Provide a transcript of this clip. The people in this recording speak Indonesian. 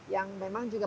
yang memang juga